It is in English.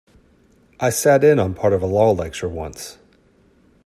I sat in on part of a law lecture once.